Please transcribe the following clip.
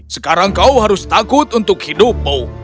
sekarang kau harus takut untuk hidupmu